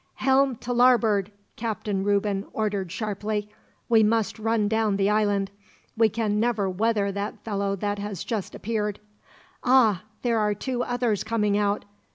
"Helm to larboard," Captain Reuben ordered sharply. "We must run down the island. We can never weather that fellow that has just appeared. "Ah! There are two others coming out.